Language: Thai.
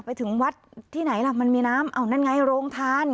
ไปถึงวัดที่ไหนล่ะมันมีน้ำอ้าวนั่นไงโรงทาน